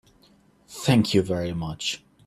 Thank you very much.